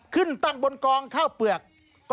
ขึ้นตั้งบนกองข้าวเปลือก